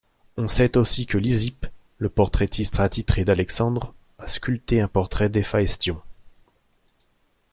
On sait aussi que Lysippe, le portraitiste attitré d'Alexandre, a sculpté un portrait d'Héphaestion.